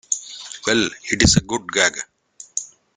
Well, it's a good gag.